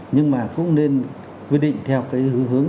nhưng mà cũng nên quy định theo cái hướng